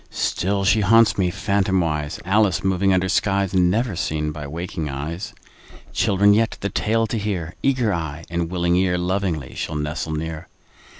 Still she haunts me, phantomwise, Alice moving under skies Never seen by waking eyes. Children yet, the tale to hear, Eager eye and willing ear, Lovingly shall nestle near.